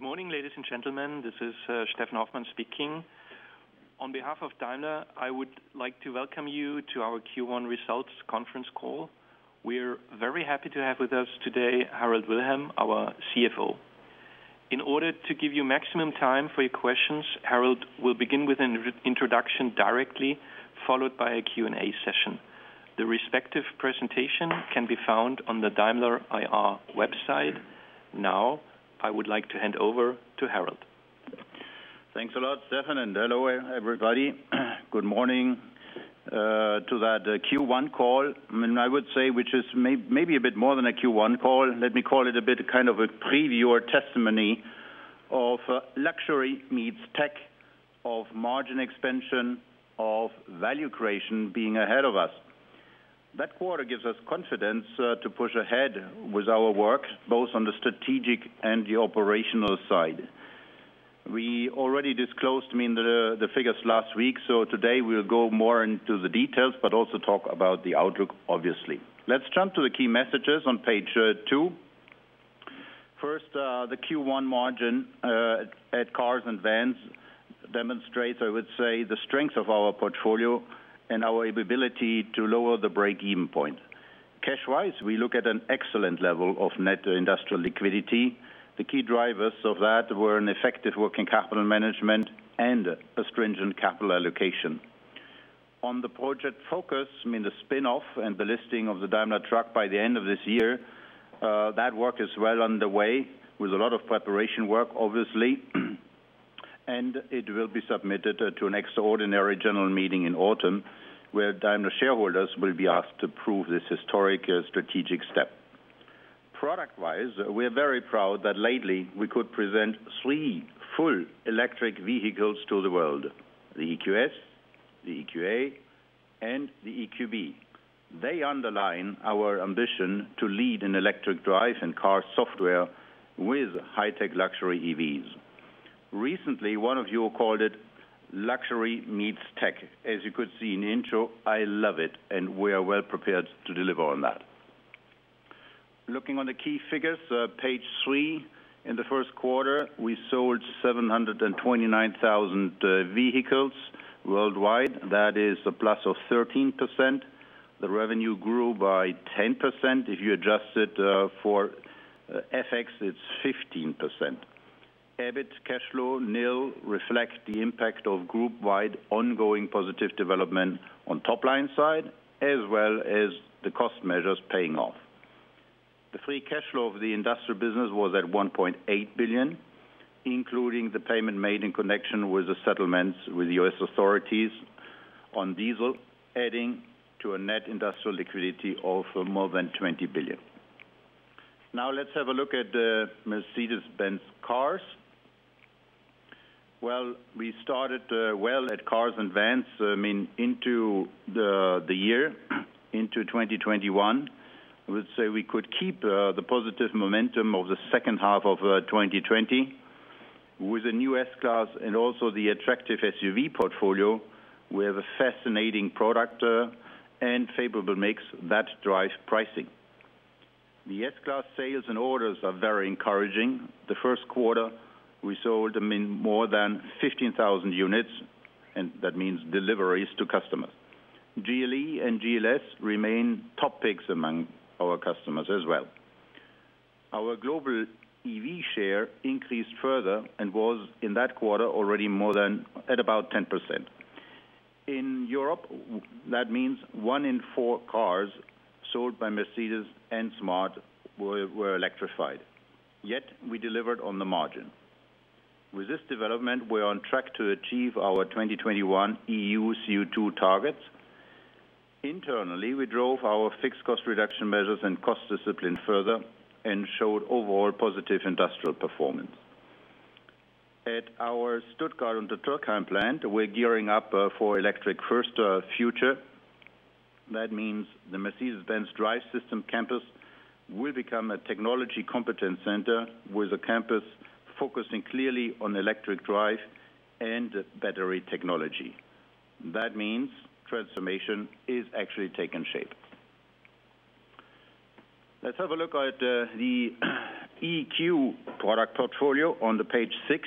Good morning, ladies and gentlemen. This is Steffen Hoffmann speaking. On behalf of Daimler, I would like to welcome you to our Q1 Results Conference Call. We're very happy to have with us today, Harald Wilhelm, our CFO. In order to give you maximum time for your questions, Harald will begin with an introduction directly, followed by a Q&A session. The respective presentation can be found on the Daimler IR website. Now, I would like to hand over to Harald. Thanks a lot, Steffen, and hello, everybody. Good morning to that Q1 call. I would say, which is maybe a bit more than a Q1 call. Let me call it a bit kind of a preview or testimony of luxury meets tech, of margin expansion, of value creation being ahead of us. That quarter gives us confidence to push ahead with our work, both on the strategic and the operational side. We already disclosed the figures last week. Today, we'll go more into the details, but also talk about the outlook, obviously. Let's jump to the key messages on page two. First, the Q1 margin at Cars and Vans demonstrates, I would say, the strength of our portfolio and our ability to lower the break-even point. Cash-wise, we look at an excellent level of net industrial liquidity. The key drivers of that were an effective working capital management and a stringent capital allocation. On the Project Focus, the spin-off and the listing of the Daimler Truck by the end of this year, that work is well underway, with a lot of preparation work, obviously. It will be submitted to an extraordinary general meeting in autumn, where Daimler shareholders will be asked to prove this historic strategic step. Product-wise, we're very proud that lately, we could present three full electric vehicles to the world. The EQS, the EQA, and the EQB. They underline our ambition to lead in electric drive and car software with high-tech luxury EVs. Recently, one of you called it luxury meets tech. As you could see in the intro, I love it, and we are well prepared to deliver on that. Looking on the key figures, page three. In the first quarter, we sold 729,000 vehicles worldwide. That is a plus of 13%. The revenue grew by 10%. If you adjust it for FX, it's 15%. EBIT cash flow nil reflects the impact of group-wide ongoing positive development on top-line side, as well as the cost measures paying off. The free cash flow of the industrial business was at 1.8 billion, including the payment made in connection with the settlements with U.S. authorities on diesel, adding to a net industrial liquidity of more than 20 billion. Now let's have a look at the Mercedes-Benz Cars. Well, we started well at Cars and Vans into the year, into 2021. I would say we could keep the positive momentum of the second half of 2020 with a new S-Class and also the attractive SUV portfolio. We have a fascinating product and favorable mix that drives pricing. The S-Class sales and orders are very encouraging. The first quarter, we sold more than 15,000 units, and that means deliveries to customers. GLE and GLS remain top picks among our customers as well. Our global EV share increased further and was, in that quarter, already more than at about 10%. In Europe, that means one in four cars sold by Mercedes and smart were electrified. Yet, we delivered on the margin. With this development, we're on track to achieve our 2021 EU CO2 targets. Internally, we drove our fixed cost reduction measures and cost discipline further and showed overall positive industrial performance. At our Stuttgart-Untertürkheim plant, we're gearing up for electric first future. That means the Mercedes-Benz Drive Systems Campus will become a technology competence center with a campus focusing clearly on electric drive and battery technology. That means transformation is actually taking shape. Let's have a look at the EQ product portfolio on page six.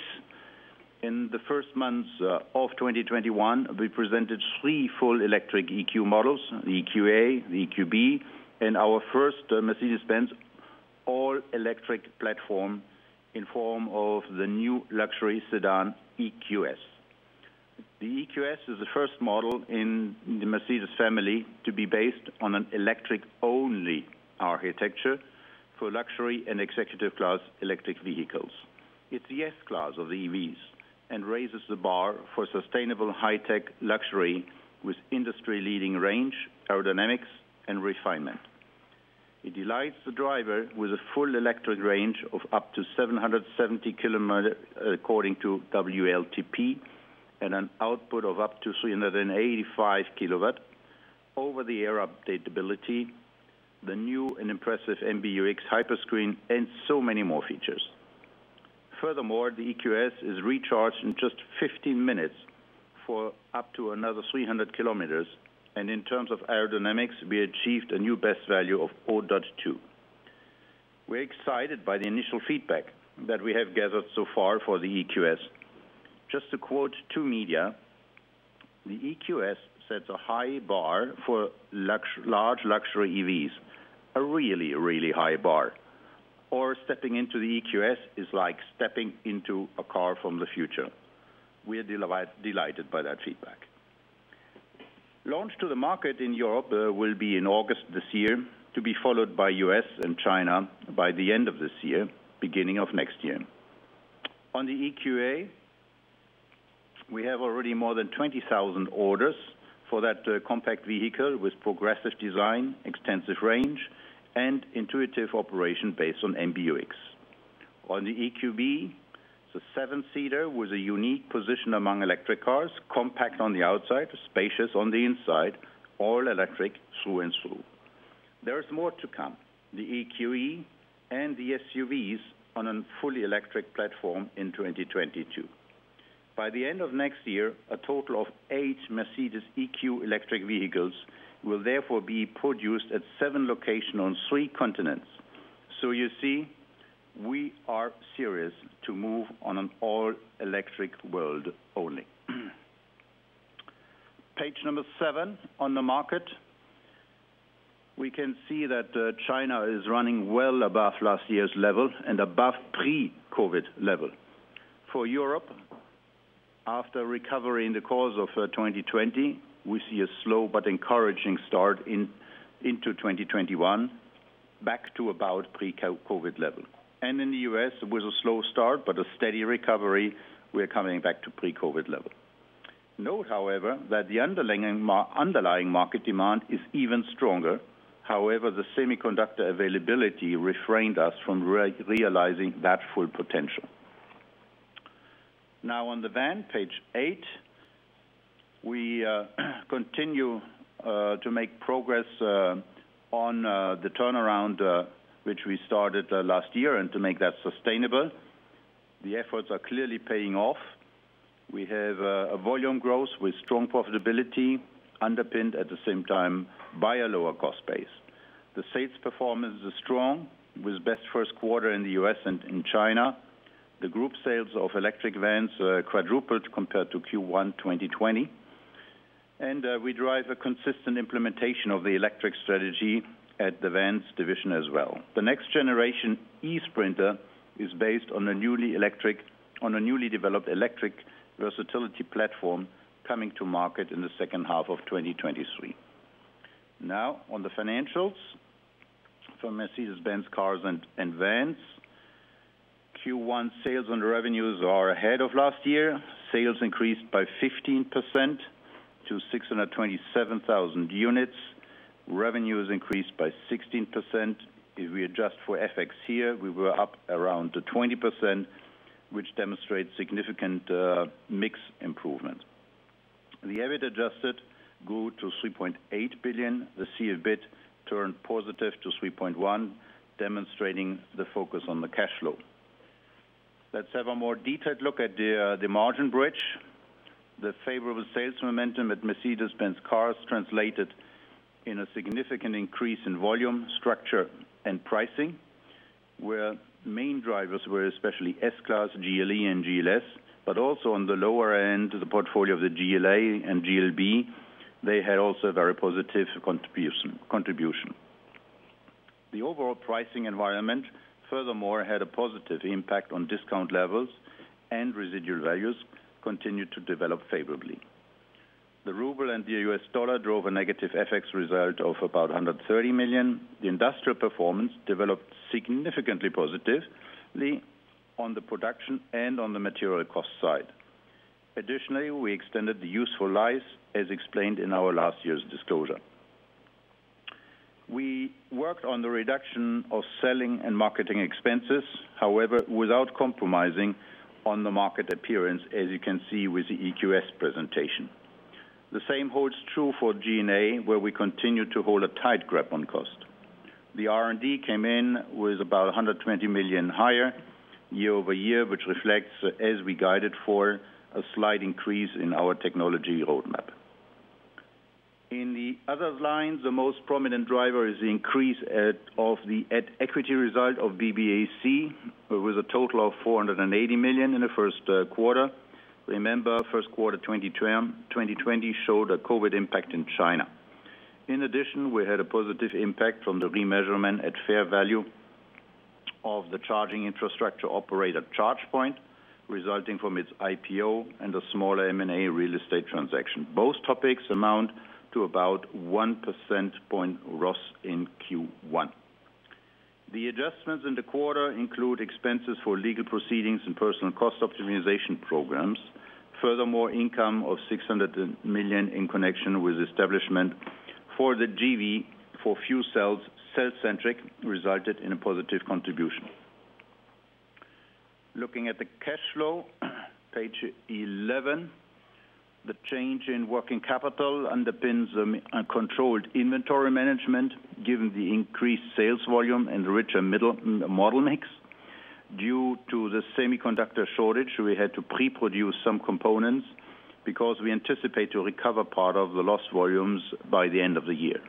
In the first months of 2021, we presented three full electric EQ models, the EQA, the EQB, and our first Mercedes-Benz all-electric platform in form of the new luxury sedan, EQS. The EQS is the first model in the Mercedes family to be based on an electric-only architecture for luxury and executive class electric vehicles. It's the S-Class of EVs and raises the bar for sustainable high-tech luxury with industry-leading range, aerodynamics, and refinement. It delights the driver with a full electric range of up to 770 km, according to WLTP, and an output of up to 385 kW, over-the-air update ability, the new and impressive MBUX Hyperscreen, and so many more features. The EQS is recharged in just 15 minutes for up to another 300 km. In terms of aerodynamics, we achieved a new best value of 0.2. We're excited by the initial feedback that we have gathered so far for the EQS. Just to quote two media, "The EQS sets a high bar for large luxury EVs. A really, really high bar." "Stepping into the EQS is like stepping into a car from the future." We are delighted by that feedback. Launch to the market in Europe will be in August this year, to be followed by U.S. and China by the end of this year, beginning of next year. On the EQA, we have already more than 20,000 orders for that compact vehicle with progressive design, extensive range, and intuitive operation based on MBUX. On the EQB, it's a seven-seater with a unique position among electric cars. Compact on the outside, spacious on the inside, all electric through and through. There is more to come. The EQE and the SUVs on a fully electric platform in 2022. By the end of next year, a total of eight Mercedes EQ electric vehicles will therefore be produced at seven locations on three continents. You see, we are serious to move on an all-electric world only. Page number seven. On the market, we can see that China is running well above last year's level and above pre-COVID level. Europe, after recovery in the course of 2020, we see a slow but encouraging start into 2021, back to about pre-COVID level. In the U.S., it was a slow start, but a steady recovery. We are coming back to pre-COVID level. Note, however, that the underlying market demand is even stronger. The semiconductor availability refrained us from realizing that full potential. On the Van, page eight. We continue to make progress on the turnaround which we started last year, and to make that sustainable. The efforts are clearly paying off. We have a volume growth with strong profitability, underpinned at the same time by a lower cost base. The sales performance is strong with best first quarter in the U.S. and in China. The group sales of electric vans quadrupled compared to Q1 2020. We drive a consistent implementation of the electric strategy at the vans division as well. The next generation eSprinter is based on a newly developed electric versatility platform coming to market in the second half of 2023. On the financials for Mercedes-Benz Cars and Vans. Q1 sales and revenues are ahead of last year. Sales increased by 15% to 627,000 units. Revenues increased by 16%. If we adjust for FX here, we were up around 20%, which demonstrates significant mix improvement. The EBIT adjusted grew to 3.8 billion. The CFBIT turned positive to 3.1, demonstrating the focus on the cash flow. Let's have a more detailed look at the margin bridge. The favorable sales momentum at Mercedes-Benz Cars translated in a significant increase in volume, structure, and pricing, where main drivers were especially S-Class, GLE, and GLS. Also on the lower end of the portfolio of the GLA and GLB, they had also a very positive contribution. The overall pricing environment, furthermore, had a positive impact on discount levels, and residual values continued to develop favorably. The ruble and the US dollar drove a negative FX result of about 130 million. The industrial performance developed significantly positively on the production and on the material cost side. Additionally, we extended the useful lives, as explained in our last year's disclosure. We worked on the reduction of selling and marketing expenses. Without compromising on the market appearance, as you can see with the EQS presentation. The same holds true for G&A, where we continue to hold a tight grip on cost. The R&D came in with about 120 million higher year over year, which reflects, as we guided for, a slight increase in our technology roadmap. In the other lines, the most prominent driver is the increase of the equity result of BBAC, with a total of 480 million in the first quarter. Remember, first quarter 2020 showed a COVID impact in China. We had a positive impact from the remeasurement at fair value of the charging infrastructure operator, ChargePoint, resulting from its IPO and a small M&A real estate transaction. Both topics amount to about one percent point RoS in Q1. The adjustments in the quarter include expenses for legal proceedings and personnel cost optimization programs. Income of 600 million in connection with establishment for the JV for fuel cell Cellcentric resulted in a positive contribution. Looking at the cash flow, page 11. The change in working capital underpins a controlled inventory management, given the increased sales volume and richer model mix. Due to the semiconductor shortage, we had to pre-produce some components because we anticipate to recover part of the lost volumes by the end of the year.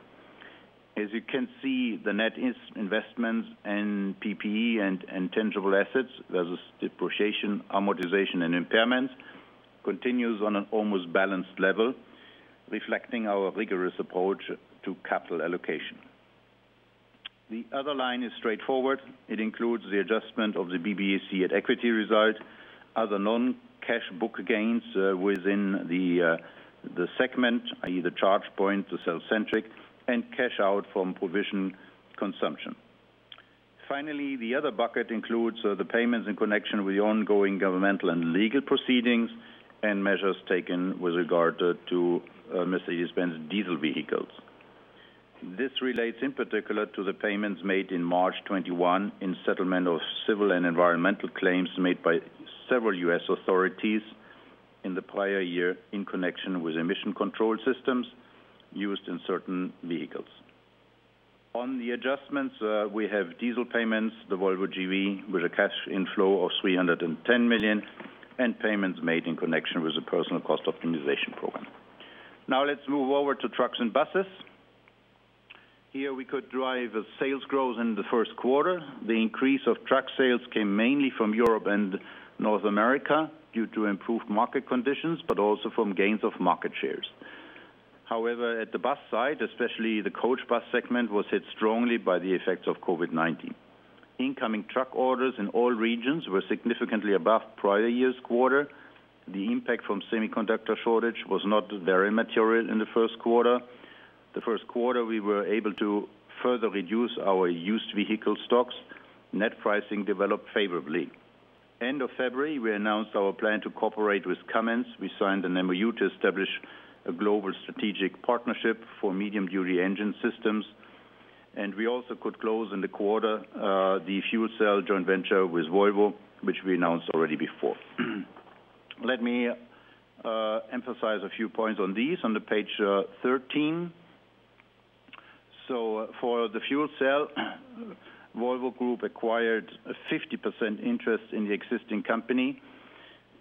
As you can see, the net investments in PPE and tangible assets, less depreciation, amortization, and impairments, continues on an almost balanced level, reflecting our rigorous approach to capital allocation. The other line is straightforward. It includes the adjustment of the BBAC at equity result, other non-cash book gains, within the segment, either ChargePoint and cellcentric and cash out from provision consumption. The other bucket includes the payments in connection with the ongoing governmental and legal proceedings and measures taken with regard to Mercedes-Benz diesel vehicles. This relates in particular to the payments made in March 2021 in settlement of civil and environmental claims made by several U.S. authorities in the prior year in connection with emission control systems used in certain vehicles. On the adjustments, we have diesel payments, the Volvo JV with a cash inflow of 310 million, and payments made in connection with the personal cost optimization program. Let's move over to Daimler Trucks and Buses. Here we could drive a sales growth in the first quarter. The increase of truck sales came mainly from Europe and North America due to improved market conditions, but also from gains of market shares. However, at the bus side, especially the coach bus segment, was hit strongly by the effects of COVID-19. Incoming truck orders in all regions were significantly above prior year's quarter. The impact from semiconductor shortage was not very material in the first quarter. The first quarter, we were able to further reduce our used vehicle stocks. Net pricing developed favorably. End of February, we announced our plan to cooperate with Cummins. We signed an MOU to establish a global strategic partnership for medium-duty engine systems. We also could close in the quarter, the fuel cell joint venture with Volvo, which we announced already before. Let me emphasize a few points on these on page 13. For the fuel cell, Volvo Group acquired a 50% interest in the existing company,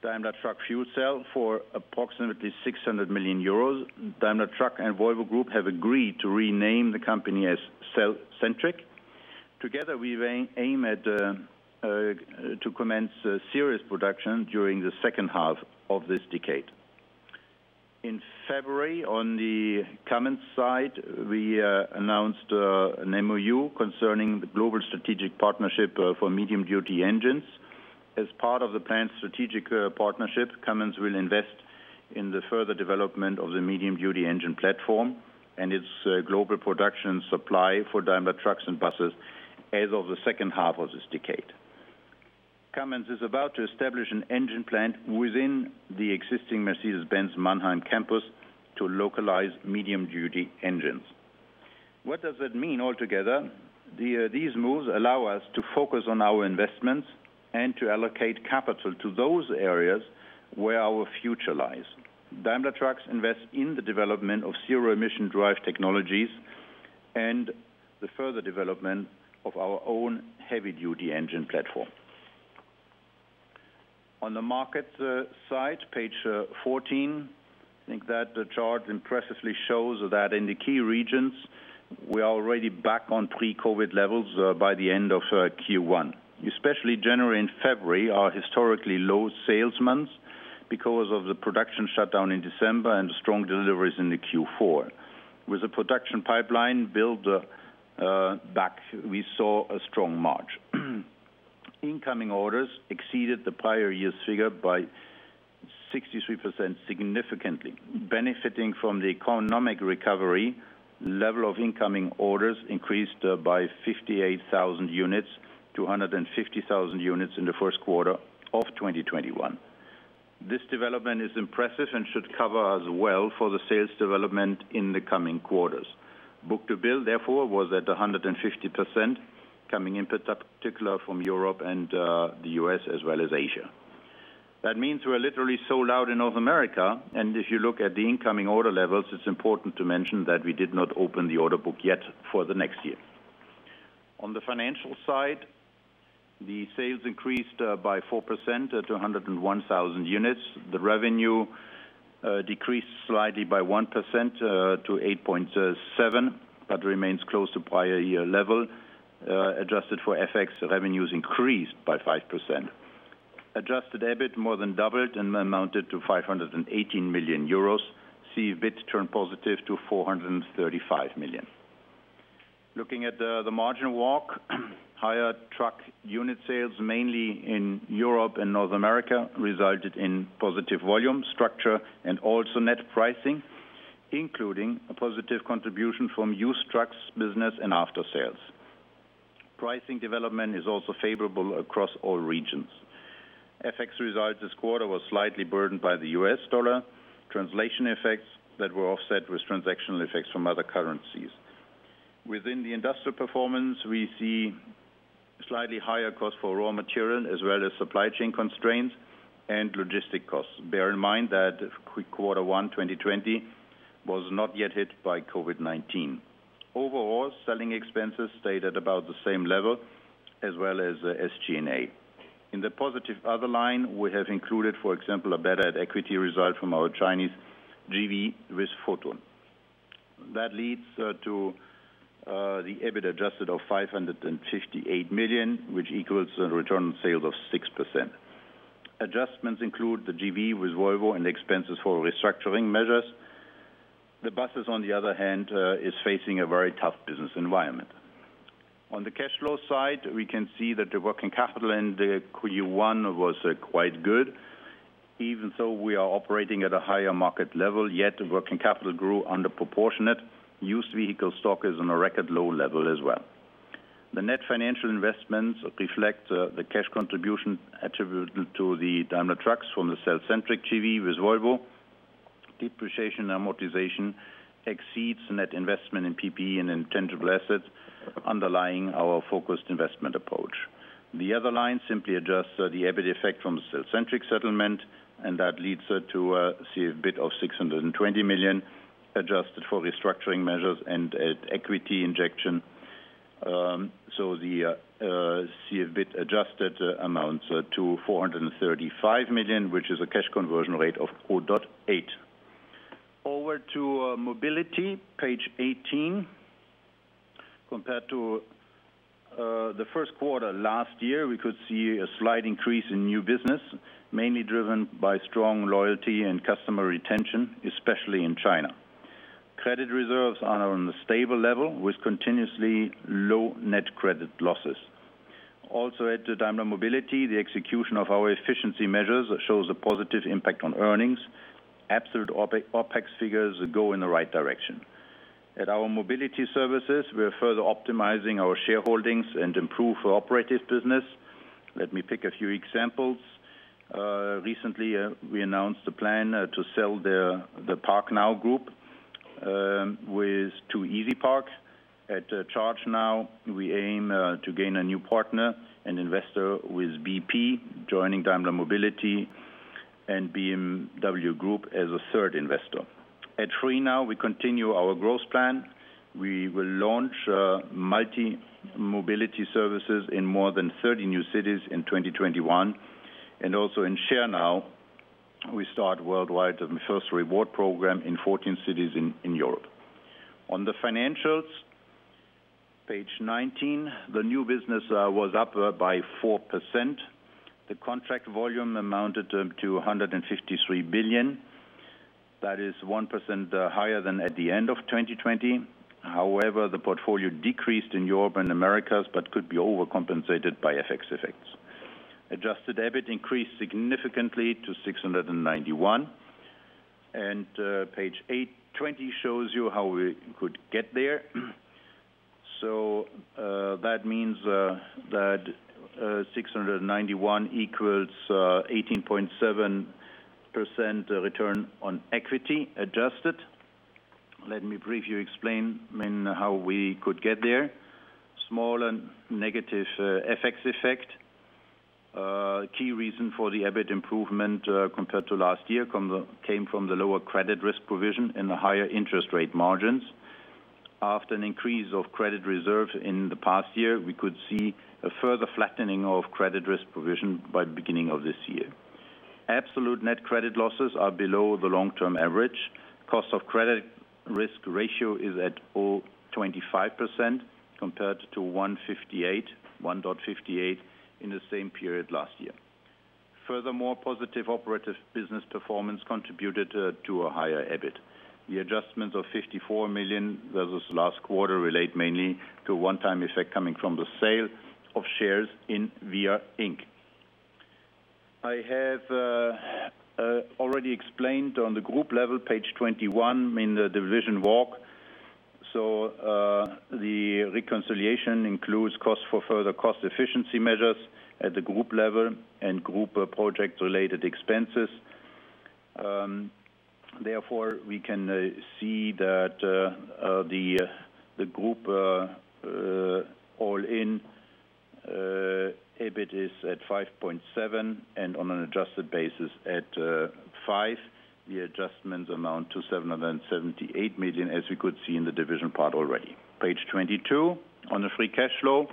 Daimler Truck Fuel Cell, for approximately 600 million euros. Daimler Truck and Volvo Group have agreed to rename the company as cellcentric. Together, we aim to commence serious production during the second half of this decade. In February, on the Cummins side, we announced an MOU concerning the global strategic partnership for medium-duty engines. As part of the planned strategic partnership, Cummins will invest in the further development of the medium-duty engine platform and its global production supply for Daimler Trucks and Buses as of the second half of this decade. Cummins is about to establish an engine plant within the existing Mercedes-Benz Mannheim campus to localize medium-duty engines. What does that mean altogether? These moves allow us to focus on our investments and to allocate capital to those areas where our future lies. Daimler Trucks invest in the development of zero-emission drive technologies and the further development of our own heavy-duty engine platform. On the market side, page 14. I think that the chart impressively shows that in the key regions, we are already back on pre-COVID levels by the end of Q1. Especially January and February are historically low sales months because of the production shutdown in December and the strong deliveries in Q4. With a production pipeline build back, we saw a strong March. Incoming orders exceeded the prior year's figure by 63% significantly. Benefiting from the economic recovery, level of incoming orders increased by 58,000 units to 150,000 units in the first quarter of 2021. This development is impressive and should cover us well for the sales development in the coming quarters. Book to bill, therefore, was at 150% coming in particular from Europe and the U.S. as well as Asia. That means we are literally sold out in North America, and if you look at the incoming order levels, it is important to mention that we did not open the order book yet for the next year. On the financial side, the sales increased by 4% to 101,000 units. The revenue decreased slightly by 1% to 8.7, but remains close to prior year level. Adjusted for FX, revenues increased by 5%. Adjusted EBIT more than doubled and amounted to 518 million euros. CFBIT turned positive to 435 million. Looking at the margin walk, higher truck unit sales, mainly in Europe and North America, resulted in positive volume structure and also net pricing, including a positive contribution from used trucks business and aftersales. Pricing development is also favorable across all regions. FX results this quarter were slightly burdened by the US dollar translation effects that were offset with transactional effects from other currencies. Within the industrial performance, we see slightly higher cost for raw material as well as supply chain constraints and logistic costs. Bear in mind that Q1 2020 was not yet hit by COVID-19. Overall, selling expenses stayed at about the same level as well as the SG&A. In the positive other line, we have included, for example, a better equity result from our Chinese JV with Foton. That leads to the EBIT adjusted of 558 million, which equals a return on sales of 6%. Adjustments include the JV with Volvo and the expenses for restructuring measures. The buses, on the other hand, is facing a very tough business environment. On the cash flow side, we can see that the working capital in the Q1 was quite good. We are operating at a higher market level, yet the working capital grew underproportionate. Used vehicle stock is on a record low level as well. The net financial investments reflect the cash contribution attributed to the Daimler Truck from the cellcentric JV with Volvo. Depreciation amortization exceeds net investment in PPE and intangible assets, underlying our focused investment approach. The other line simply adjusts the EBIT effect from the cellcentric settlement, that leads to a CFBIT of 620 million, adjusted for restructuring measures and equity injection. The CFFIT adjusted amounts to 435 million, which is a cash conversion rate of 4.8. Over to Mobility, page 18. Compared to the first quarter last year, we could see a slight increase in new business, mainly driven by strong loyalty and customer retention, especially in China. Credit reserves are on a stable level with continuously low net credit losses. Also at Daimler Mobility, the execution of our efficiency measures shows a positive impact on earnings. Absolute OpEx figures go in the right direction. At our Mobility services, we are further optimizing our shareholdings and improve our operative business. Let me pick a few examples. Recently, we announced a plan to sell the PARK NOW Group to EasyPark. At CHARGE NOW, we aim to gain a new partner and investor with bp joining Daimler Mobility and BMW Group as a third investor. At FREE NOW, we continue our growth plan. We will launch multi-mobility services in more than 30 new cities in 2021. Also in SHARE NOW, we start worldwide the first reward program in 14 cities in Europe. On the financials, page 19, the new business was up by 4%. The contract volume amounted to 153 billion. That is 1% higher than at the end of 2020. The portfolio decreased in Europe and Americas, but could be overcompensated by FX effects. Adjusted EBIT increased significantly to 691. Page 20 shows you how we could get there. That means that 691 equals 18.7% return on equity adjusted. Let me briefly explain how we could get there. Small and negative FX effect. A key reason for the EBIT improvement, compared to last year, came from the lower credit risk provision and the higher interest rate margins. After an increase of credit reserve in the past year, we could see a further flattening of credit risk provision by the beginning of this year. Absolute net credit losses are below the long-term average. Cost of credit risk ratio is at 0.25% compared to 1.58% in the same period last year. Furthermore, positive operative business performance contributed to a higher EBIT. The adjustments of 54 million versus last quarter relate mainly to a one-time effect coming from the sale of shares in Via Inc.. I have already explained on the Group level, page 21, in the division walk. The reconciliation includes costs for further cost efficiency measures at the Group level and Group project-related expenses. Therefore, we can see that the Group all-in EBIT is at 5.7 and on an adjusted basis at 5. The adjustments amount to 778 million, as we could see in the division part already. Page 22, on the free cash flow.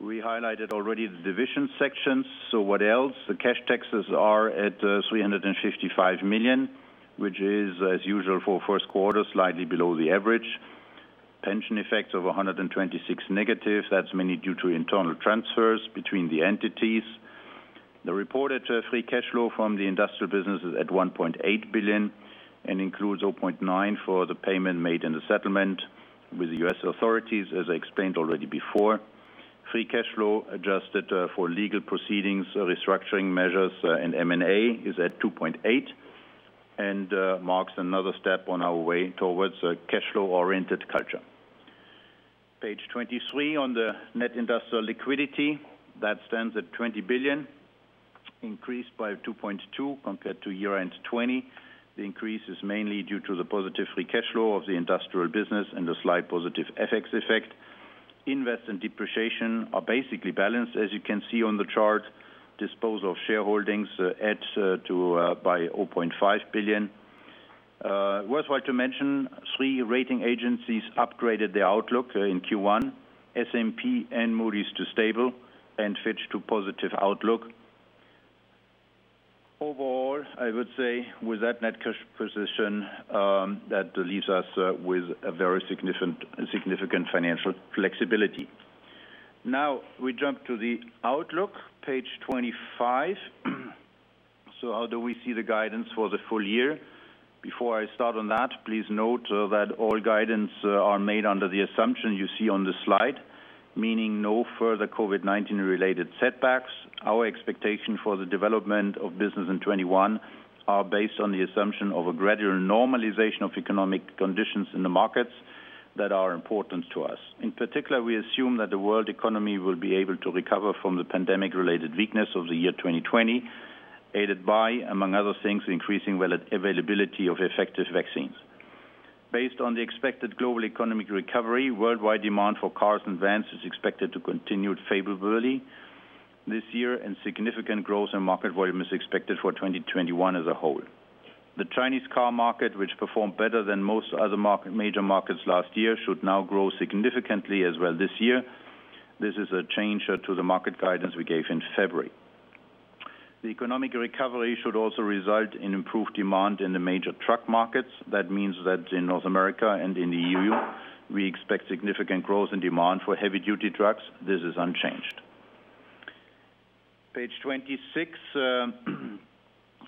We highlighted already the division sections, so what else? The cash taxes are at 355 million, which is, as usual for first quarter, slightly below the average. Pension effects of 126 negative. That's mainly due to internal transfers between the entities. The reported free cash flow from the industrial business is at 1.8 billion and includes 0.9 billion for the payment made in the settlement with the U.S. authorities, as I explained already before. Free cash flow adjusted for legal proceedings, restructuring measures, and M&A is at 2.8 billion, marks another step on our way towards a cash flow-oriented culture. Page 23 on the net industrial liquidity. That stands at 20 billion, increased by 2.2 billion compared to year-end 2020. The increase is mainly due to the positive free cash flow of the industrial business and a slight positive FX effect. Invest and depreciation are basically balanced, as you can see on the chart. Disposal of shareholdings adds to by 0.5 billion. Worthwhile to mention, three rating agencies upgraded their outlook in Q1, S&P and Moody's to stable and Fitch to positive outlook. Overall, I would say with that net cash position, that leaves us with a very significant financial flexibility. Now, we jump to the outlook, page 25. How do we see the guidance for the full year? Before I start on that, please note that all guidance are made under the assumption you see on the slide, meaning no further COVID-19 related setbacks. Our expectation for the development of business in 2021 are based on the assumption of a gradual normalization of economic conditions in the markets that are important to us. In particular, we assume that the world economy will be able to recover from the pandemic-related weakness of the year 2020, aided by, among other things, increasing availability of effective vaccines. Based on the expected global economic recovery, worldwide demand for cars and vans is expected to continue favorably this year, and significant growth in market volume is expected for 2021 as a whole. The Chinese car market, which performed better than most other major markets last year, should now grow significantly as well this year. This is a change to the market guidance we gave in February. The economic recovery should also result in improved demand in the major truck markets. That means that in North America and in the EU, we expect significant growth in demand for heavy-duty trucks. This is unchanged. Page 26.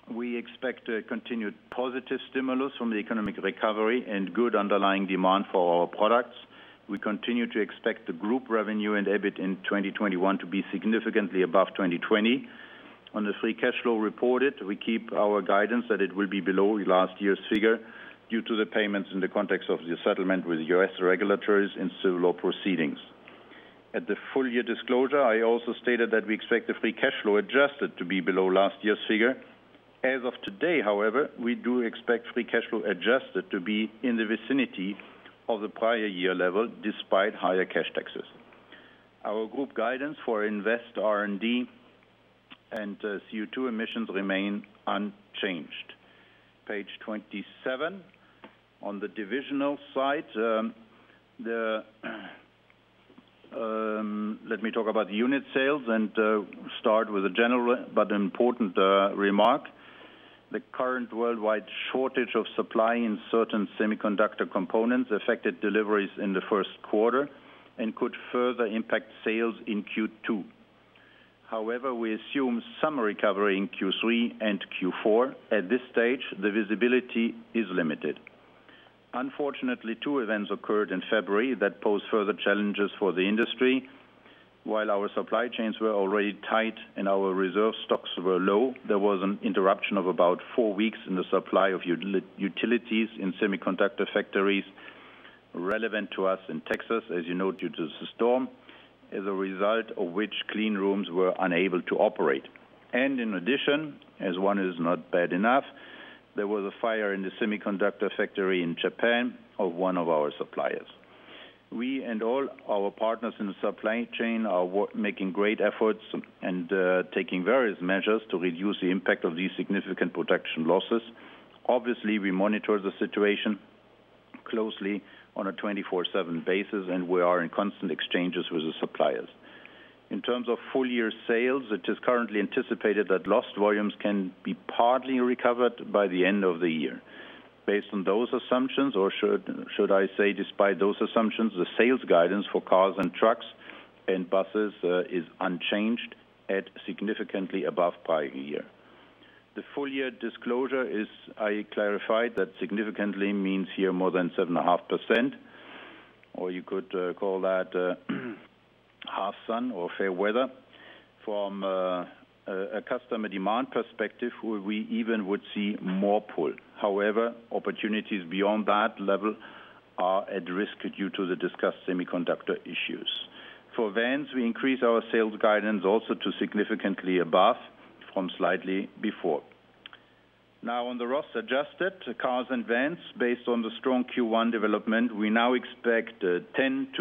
We expect a continued positive stimulus from the economic recovery and good underlying demand for our products. We continue to expect the group revenue and EBIT in 2021 to be significantly above 2020. On the free cash flow reported, we keep our guidance that it will be below last year's figure due to the payments in the context of the settlement with U.S. regulators in civil law proceedings. At the full-year disclosure, I also stated that we expect the free cash flow adjusted to be below last year's figure. As of today, we do expect free cash flow adjusted to be in the vicinity of the prior year level, despite higher cash taxes. Our group guidance for R&D and CO2 emissions remain unchanged. Page 27. On the divisional side, let me talk about unit sales and start with a general but important remark. The current worldwide shortage of supply in certain semiconductor components affected deliveries in the first quarter and could further impact sales in Q2. We assume some recovery in Q3 and Q4. At this stage, the visibility is limited. Unfortunately, two events occurred in February that pose further challenges for the industry. While our supply chains were already tight and our reserve stocks were low, there was an interruption of about four weeks in the supply of utilities in semiconductor factories relevant to us in Texas, as you know, due to the storm, as a result of which clean rooms were unable to operate. In addition, as one is not bad enough, there was a fire in the semiconductor factory in Japan of one of our suppliers. We and all our partners in the supply chain are making great efforts and taking various measures to reduce the impact of these significant production losses. Obviously, we monitor the situation closely on a 24/7 basis, and we are in constant exchanges with the suppliers. In terms of full-year sales, it is currently anticipated that lost volumes can be partly recovered by the end of the year. Based on those assumptions, or should I say despite those assumptions, the sales guidance for cars and trucks and buses is unchanged at significantly above prior year. The full-year disclosure is, I clarified, that significantly means here more than 7.5%, or you could call that half sun or fair weather. From a customer demand perspective, we even would see more pull. Opportunities beyond that level are at risk due to the discussed semiconductor issues. For Vans, we increase our sales guidance also to significantly above from slightly before. On the RoS adjusted, Cars and Vans, based on the strong Q1 development, we now expect 10%-12%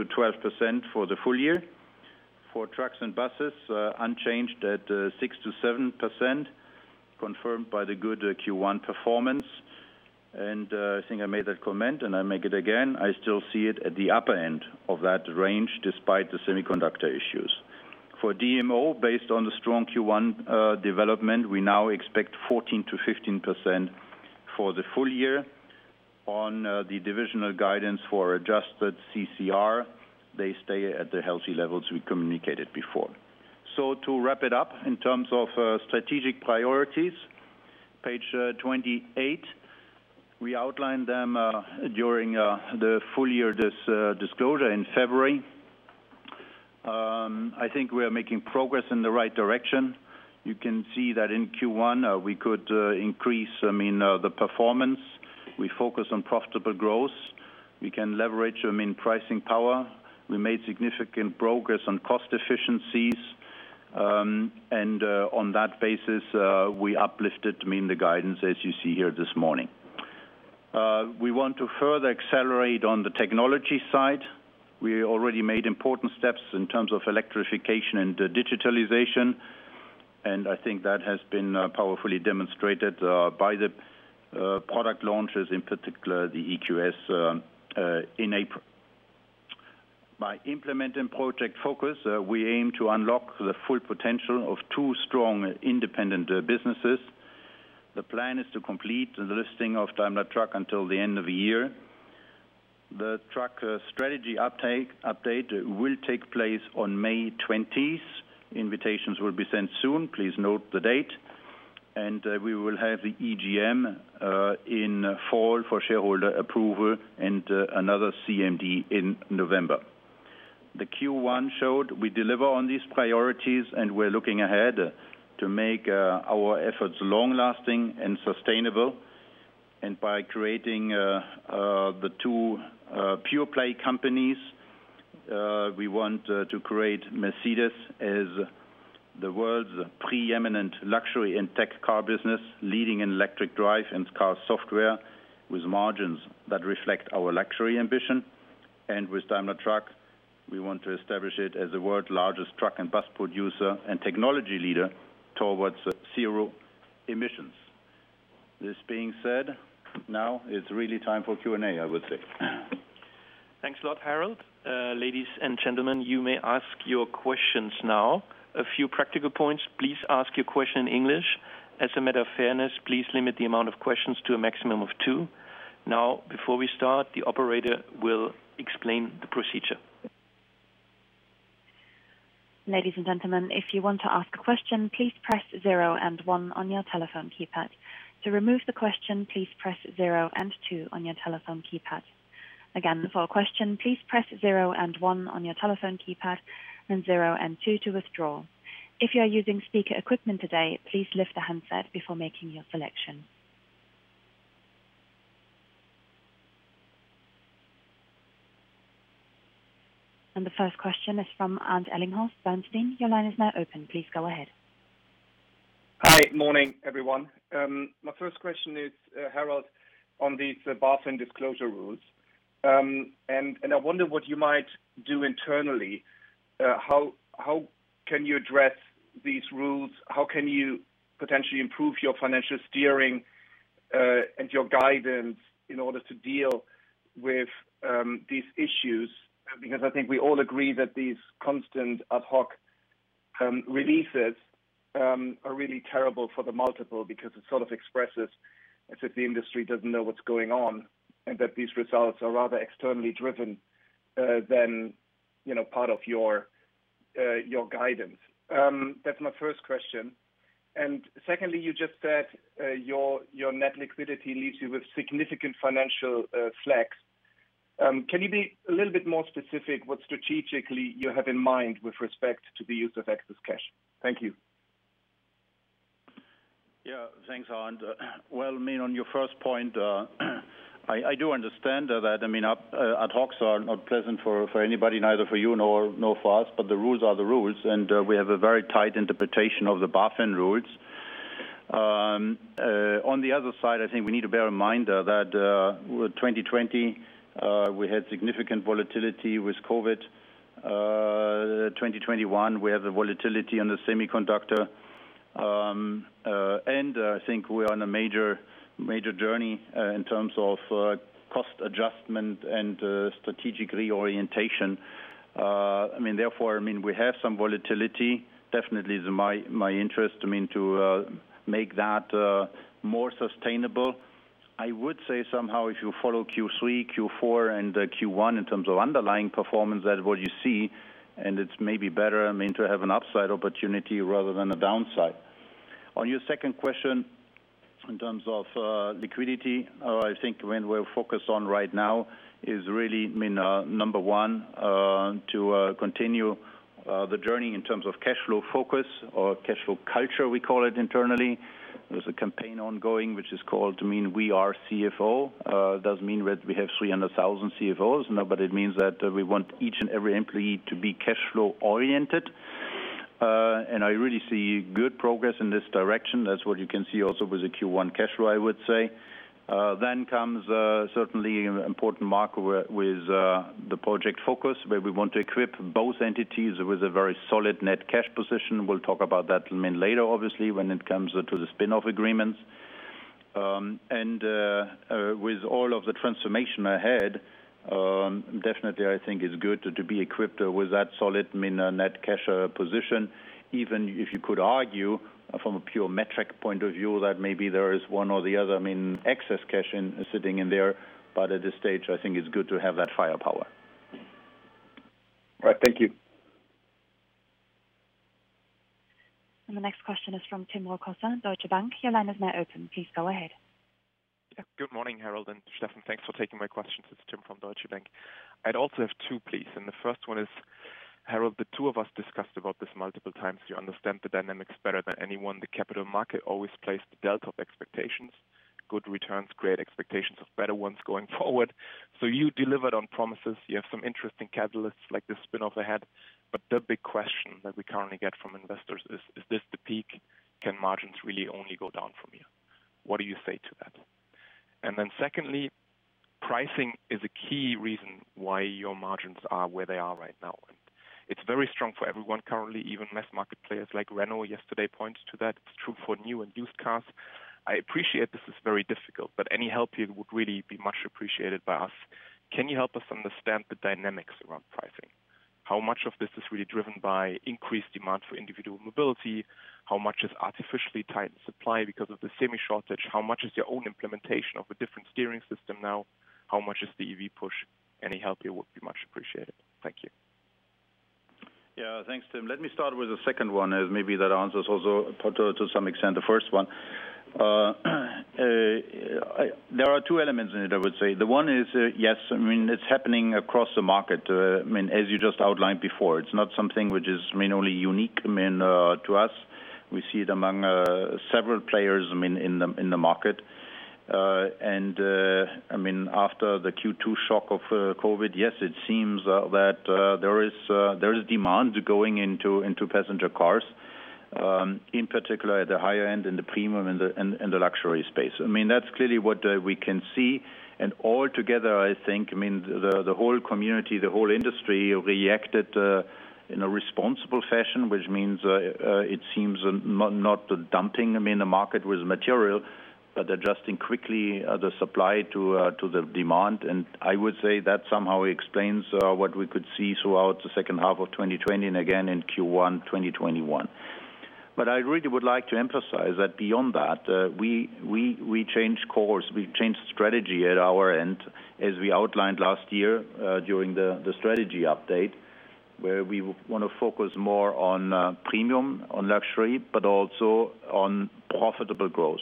for the full year. For trucks and buses, unchanged at 6%-7%, confirmed by the good Q1 performance. I think I made that comment, and I make it again, I still see it at the upper end of that range, despite the semiconductor issues. For DMO, based on the strong Q1 development, we now expect 14%-15% for the full year. On the divisional guidance for adjusted CCR, they stay at the healthy levels we communicated before. To wrap it up, in terms of strategic priorities, page 28. We outlined them during the full-year disclosure in February. I think we are making progress in the right direction. You can see that in Q1, we could increase the performance. We focus on profitable growth. We can leverage pricing power. We made significant progress on cost efficiencies. On that basis, we uplifted the guidance as you see here this morning. We want to further accelerate on the technology side. We already made important steps in terms of electrification and digitalization. I think that has been powerfully demonstrated by the product launches, in particular the EQS in April. By implementing Project Focus, we aim to unlock the full potential of two strong, independent businesses. The plan is to complete the listing of Daimler Truck until the end of the year. The truck strategy update will take place on May 20th. Invitations will be sent soon. Please note the date. We will have the EGM in fall for shareholder approval and another CMD in November. The Q1 showed we deliver on these priorities, and we're looking ahead to make our efforts long-lasting and sustainable. By creating the two pure-play companies, we want to create Mercedes as the world's pre-eminent luxury and tech car business, leading in electric drive and car software, with margins that reflect our luxury ambition. With Daimler Truck, we want to establish it as the world's largest Truck and Bus producer and technology leader towards zero emissions. This being said, now it's really time for Q&A, I would say. Thanks a lot, Harald. Ladies and gentlemen, you may ask your questions now. A few practical points. Please ask your question in English. As a matter of fairness, please limit the amount of questions to a maximum of two. Before we start, the operator will explain the procedure. The first question is from Arndt Ellinghorst, Bernstein. Your line is now open. Please go ahead. Hi. Morning, everyone. My first question is, Harald, on these BaFin disclosure rules. I wonder what you might do internally. How can you address these rules? How can you potentially improve your financial steering, and your guidance in order to deal with these issues? I think we all agree that these constant ad hoc releases are really terrible for the multiple because it sort of expresses as if the industry doesn't know what's going on, and that these results are rather externally driven, than part of your guidance. That's my first question. Secondly, you just said your net liquidity leaves you with significant financial flex. Can you be a little bit more specific what strategically you have in mind with respect to the use of excess cash? Thank you. Thanks, Arndt. Well, on your first point, I do understand that ad hocs are not pleasant for anybody, neither for you nor for us, but the rules are the rules, and we have a very tight interpretation of the BaFin rules. On the other side, I think we need to bear in mind that with 2020, we had significant volatility with COVID-19. 2021, we have the volatility on the semiconductor. I think we are on a major journey in terms of cost adjustment and strategic reorientation. Therefore, we have some volatility. Definitely is my interest to make that more sustainable. I would say somehow, if you follow Q3, Q4, and Q1 in terms of underlying performance, that is what you see, and it's maybe better to have an upside opportunity rather than a downside. On your second question, in terms of liquidity, I think when we're focused on right now is really, number one, to continue the journey in terms of cash flow focus or cash flow culture, we call it internally. There's a campaign ongoing, which is called We Are CFO. It doesn't mean that we have 300,000 CFOs. It means that we want each and every employee to be cash flow oriented. I really see good progress in this direction. That's what you can see also with the Q1 cash flow, I would say. Comes certainly an important mark with the Project Focus, where we want to equip both entities with a very solid net cash position. We'll talk about that later, obviously, when it comes to the spin-off agreements. With all of the transformation ahead, definitely I think it's good to be equipped with that solid net cash position, even if you could argue from a pure metric point of view that maybe there is one or the other excess cash sitting in there. At this stage, I think it's good to have that firepower. Right. Thank you. The next question is from Tim Rokossa, Deutsche Bank. Yeah. Good morning, Harald and Steffen. Thanks for taking my questions. It's Tim from Deutsche Bank. I'd also have two, please. The first one is, Harald, the two of us discussed about this multiple times. You understand the dynamics better than anyone. The capital market always plays the delta of expectations, good returns, great expectations of better ones going forward. You delivered on promises. You have some interesting catalysts like the spin-off ahead. The big question that we currently get from investors is this the peak? Can margins really only go down from here? What do you say to that? Secondly, pricing is a key reason why your margins are where they are right now. It's very strong for everyone currently, even mass market players like Renault yesterday pointed to that. It's true for new and used cars. I appreciate this is very difficult, but any help here would really be much appreciated by us. Can you help us understand the dynamics around pricing? How much of this is really driven by increased demand for individual mobility? How much is artificially tight supply because of the semi shortage? How much is your own implementation of a different steering system now? How much is the EV push? Any help here would be much appreciated. Thank you. Yeah. Thanks, Tim. Let me start with the second one, as maybe that answers also to some extent, the first one. There are two elements in it, I would say. The one is, yes, it's happening across the market. As you just outlined before, it's not something which is mainly unique to us. We see it among several players in the market. After the Q2 shock of COVID-19, yes, it seems that there is demand going into passenger cars, in particular at the higher end, in the premium and the luxury space. That's clearly what we can see. All together, I think, the whole community, the whole industry reacted, in a responsible fashion, which means, it seems not dumping the market with material, but adjusting quickly the supply to the demand. I would say that somehow explains what we could see throughout the second half of 2020 and again in Q1 2021. I really would like to emphasize that beyond that, we changed course. We changed strategy at our end, as we outlined last year, during the strategy update, where we want to focus more on premium, on luxury, but also on profitable growth.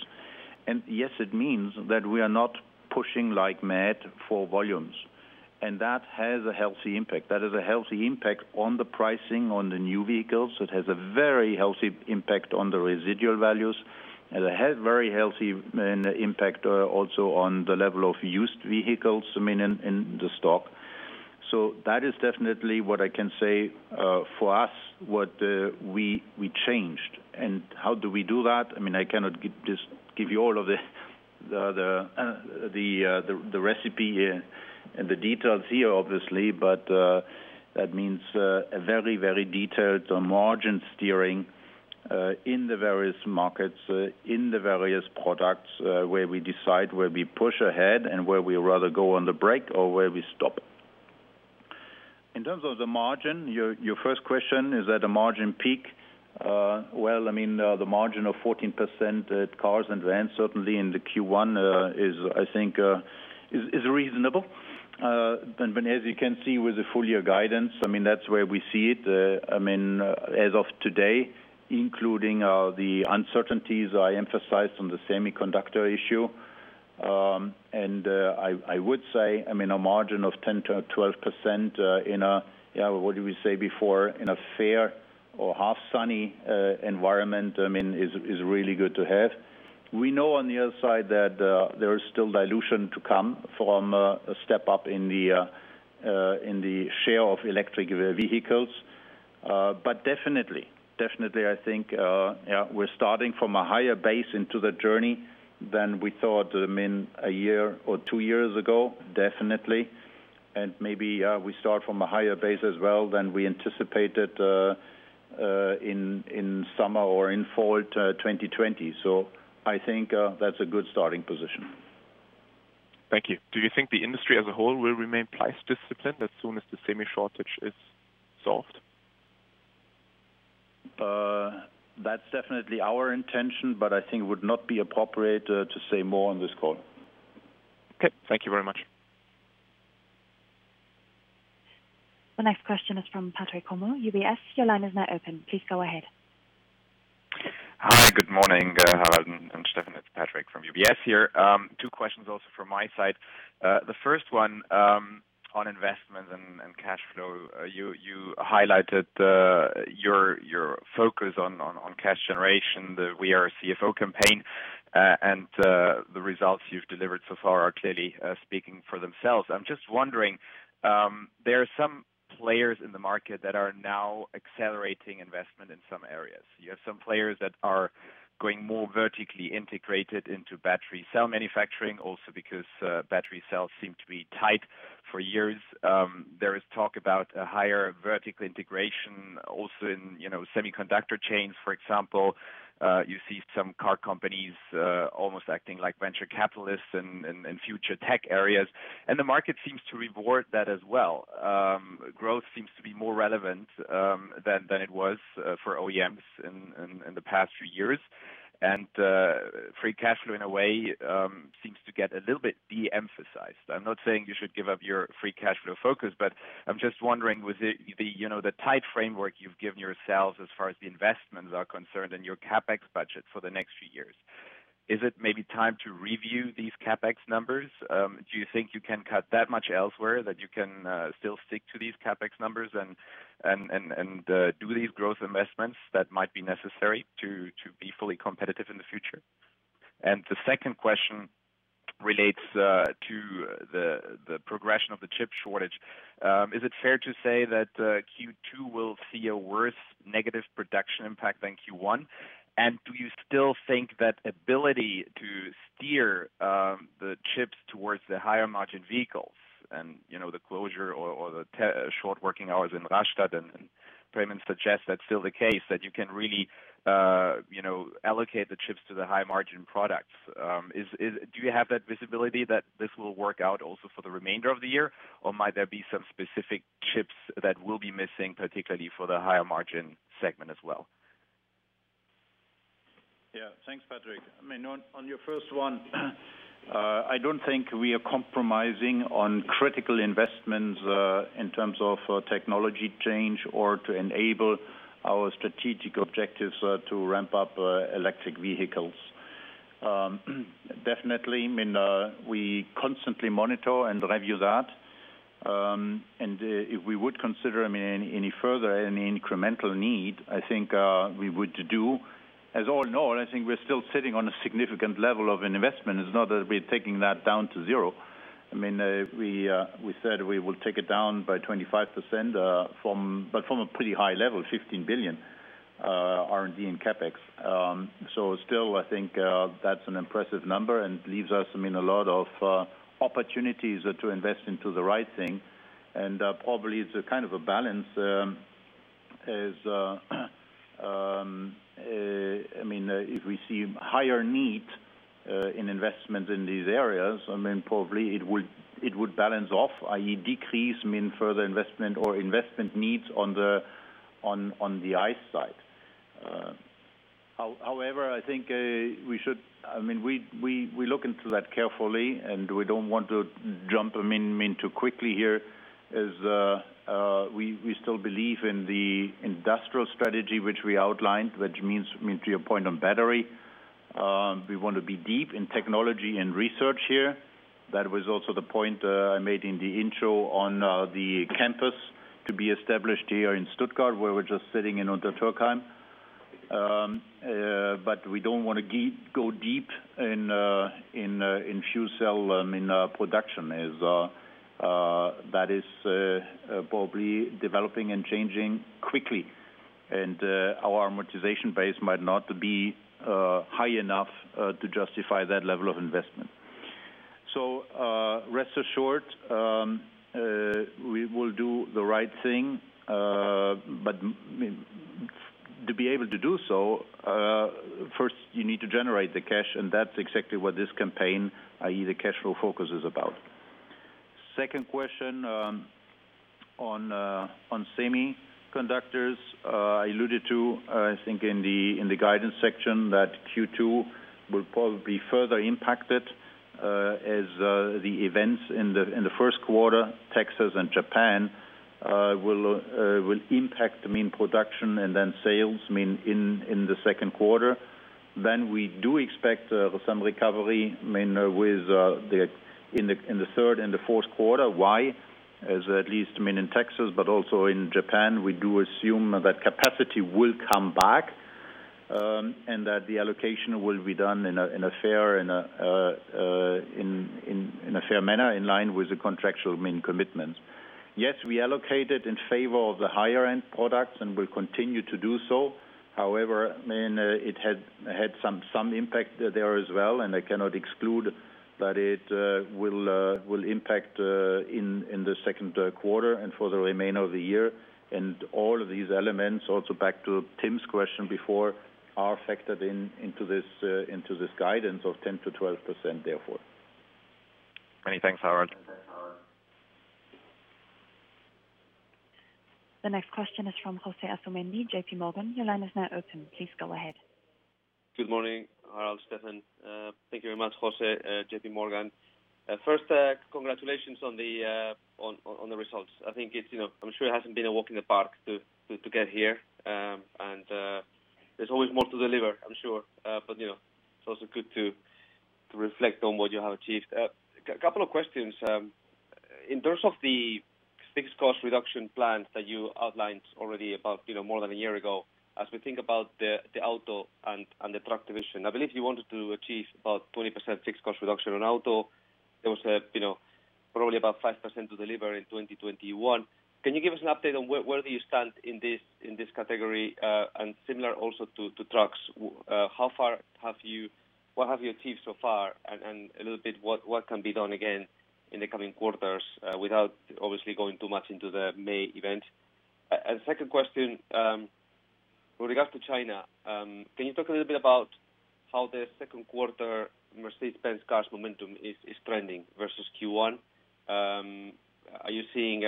Yes, it means that we are not pushing like mad for volumes. That has a healthy impact. That has a healthy impact on the pricing on the new vehicles. It has a very healthy impact on the residual values, and it has very healthy impact also on the level of used vehicles in the stock. So that is definitely what I can say for us, what we changed. How do we do that? I cannot just give you all of the recipe and the details here, obviously. That means a very detailed margin steering in the various markets, in the various products, where we decide where we push ahead and where we rather go on the brake or where we stop. In terms of the margin, your first question, is that a margin peak? Well, the margin of 14% at cars and vans certainly in the Q1, I think is reasonable. As you can see with the full-year guidance, that's where we see it as of today, including the uncertainties I emphasized on the semiconductor issue. I would say, a margin of 10%-12% in a, what did we say before, in a fair or half sunny environment is really good to have. We know on the other side that there is still dilution to come from a step up in the share of electric vehicles. Definitely, I think we're starting from a higher base into the journey than we thought a year or two years ago, definitely. Maybe we start from a higher base as well than we anticipated in summer or in fall 2020. I think that's a good starting position. Thank you. Do you think the industry as a whole will remain price-disciplined as soon as the semi shortage is solved? That's definitely our intention. I think it would not be appropriate to say more on this call. Okay. Thank you very much. The next question is from Patrick Hummel, UBS. Your line is now open. Please go ahead. Hi. Good morning, Harald and Steffen. It's Patrick from UBS here. Two questions also from my side. The first one, on investment and cash flow. You highlighted your focus on cash generation, the We Are CFO campaign. The results you've delivered so far are clearly speaking for themselves. I'm just wondering, there are some players in the market that are now accelerating investment in some areas. You have some players that are going more vertically integrated into battery cell manufacturing also because battery cells seem to be tight for years. There is talk about a higher vertical integration also in semiconductor chains, for example. You see some car companies almost acting like venture capitalists in future tech areas, and the market seems to reward that as well. Growth seems to be more relevant than it was for OEMs in the past few years. Free cash flow in a way, seems to get a little bit de-emphasized. I'm not saying you should give up your free cash flow focus, but I'm just wondering with the tight framework you've given yourselves as far as the investments are concerned and your CapEx budget for the next few years, is it maybe time to review these CapEx numbers? Do you think you can cut that much elsewhere, that you can still stick to these CapEx numbers and do these growth investments that might be necessary to be fully competitive in the future? The second question relates to the progression of the chip shortage. Is it fair to say that Q2 will see a worse negative production impact than Q1? Do you still think that ability to steer the chips towards the higher margin vehicles, and the closure or the short working hours in Rastatt and Bremen suggests that's still the case, that you can really allocate the chips to the high-margin products. Do you have that visibility that this will work out also for the remainder of the year? Might there be some specific chips that will be missing, particularly for the higher margin segment as well? Yeah. Thanks, Patrick. On your first one, I don't think we are compromising on critical investments in terms of technology change or to enable our strategic objectives to ramp up electric vehicles. Definitely, we constantly monitor and review that. If we would consider any further, any incremental need, I think we would do. As all know, I think we're still sitting on a significant level of investment. It's not that we're taking that down to zero. We said we will take it down by 25%, but from a pretty high level, 15 billion R&D in CapEx. Still, I think that's an impressive number and leaves us a lot of opportunities to invest into the right thing. Probably it's a kind of a balance, if we see higher need in investment in these areas, probably it would balance off, i.e. decrease further investment or investment needs on the ICE side. I think we look into that carefully, and we don't want to jump in too quickly here as we still believe in the industrial strategy which we outlined, which means to your point on battery, we want to be deep in technology and research here. That was also the point I made in the intro on the campus to be established here in Stuttgart, where we're just sitting in Untertürkheim. We don't want to go deep in fuel cell production, as that is probably developing and changing quickly. Our amortization base might not be high enough to justify that level of investment. Rest assured, we will do the right thing. To be able to do so, first you need to generate the cash, and that's exactly what this campaign. The cash flow focus is about. Second question on semiconductors. I alluded to, I think in the guidance section, that Q2 will probably be further impacted, as the events in the first quarter, Texas and Japan, will impact the main production and then sales in the second quarter. We do expect some recovery in the third and the fourth quarter. Why? At least in Texas, but also in Japan, we do assume that capacity will come back, and that the allocation will be done in a fair manner in line with the contractual main commitments. Yes, we allocated in favor of the higher-end products and will continue to do so. It had some impact there as well, and I cannot exclude that it will impact in the second quarter and for the remainder of the year. All of these elements, also back to Tim's question before, are factored into this guidance of 10% to 12% therefore. Many thanks, Harald. The next question is from José Asumendi, J.P. Morgan. Your line is now open. Please go ahead. Good morning, Harald, Steffen. Thank you very much. Jose, J.P. Morgan. Congratulations on the results. I'm sure it hasn't been a walk in the park to get here. There's always more to deliver, I'm sure. It's also good to reflect on what you have achieved. A couple of questions. In terms of the fixed cost reduction plans that you outlined already about more than a year ago, as we think about the auto and the truck division, I believe you wanted to achieve about 20% fixed cost reduction on auto. There was probably about 5% to deliver in 2021. Can you give us an update on where do you stand in this category? Similar also to trucks, what have you achieved so far? A little bit, what can be done again in the coming quarters without obviously going too much into the May event? Second question, with regards to China, can you talk a little bit about how the second quarter Mercedes-Benz Cars momentum is trending versus Q1? Are you seeing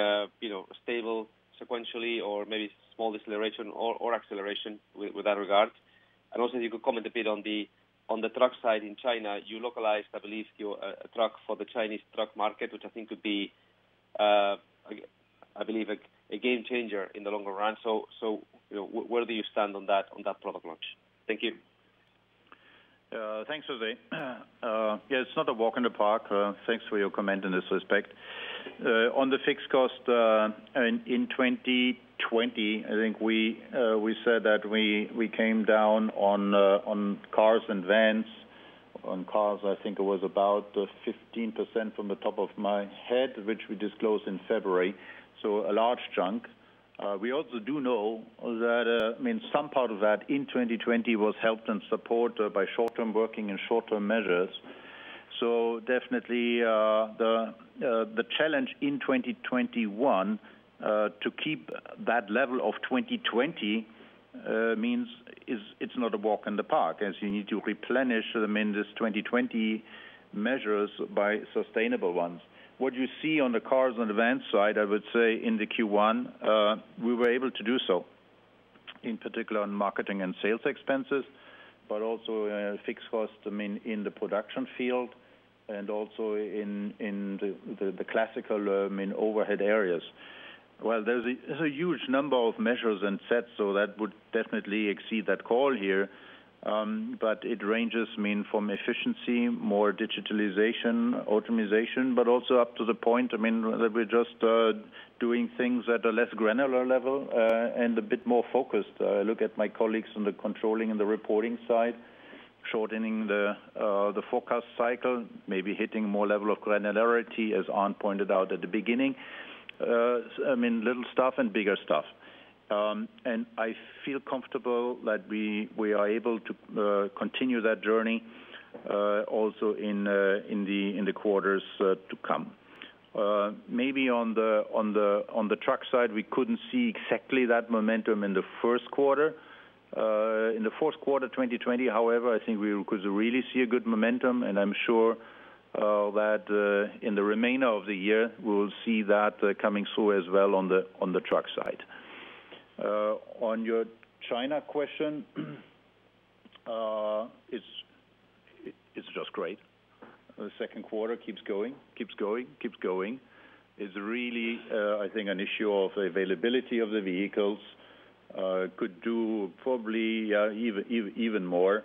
stable sequentially or maybe small deceleration or acceleration with that regard? Also if you could comment a bit on the truck side in China, you localized, I believe, your truck for the Chinese truck market, which I think would be, I believe, a game changer in the longer run. Where do you stand on that product launch? Thank you. Thanks, José. Yeah, it's not a walk in the park. Thanks for your comment in this respect. On the fixed cost, in 2020, I think we said that we came down on cars and vans. On cars, I think it was about 15% from the top of my head, which we disclosed in February. A large chunk. We also do know that some part of that in 2020 was helped and supported by short-term working and short-term measures. Definitely, the challenge in 2021, to keep that level of 2020, it's not a walk in the park, as you need to replenish this 2020 measures by sustainable ones. What you see on the Cars and Vans side, I would say in the Q1, we were able to do so, in particular on marketing and sales expenses, but also fixed costs in the production field and also in the classical overhead areas. Well, there's a huge number of measures and sets, so that would definitely exceed that call here. It ranges from efficiency, more digitalization, automation, but also up to the point that we're just doing things at a less granular level, and a bit more focused. I look at my colleagues on the controlling and the reporting side, shortening the forecast cycle, maybe hitting more level of granularity, as An pointed out at the beginning. Little stuff and bigger stuff. I feel comfortable that we are able to continue that journey, also in the quarters to come. Maybe on the Truck side, we couldn't see exactly that momentum in the first quarter. In the fourth quarter 2020, however, I think we could really see a good momentum. I am sure that in the remainder of the year, we will see that coming through as well on the truck side. On your China question, it is just great. The second quarter keeps going. It is really, I think, an issue of availability of the vehicles. We could do probably even more.